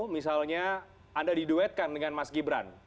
misalnya anda diduetkan dengan mas gibran